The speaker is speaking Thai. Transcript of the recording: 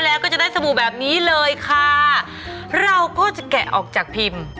แล้วก็จะได้สบู่แบบนี้เลยค่ะเราก็จะแกะออกจากพิมพ์